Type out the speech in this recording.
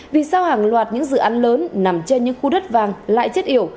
vì sao hàng loạt những dự án lớn nằm trên những khu đất vàng lại chết yểu